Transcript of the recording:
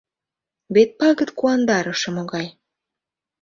Вет пагыт куандарыше могай!